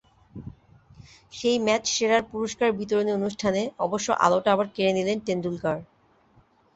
সেই ম্যাচ সেরার পুরস্কার বিতরণী অনুষ্ঠানে অবশ্য আলোটা আবার কেড়ে নিলেন টেন্ডুলকার।